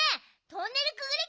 トンネルくぐり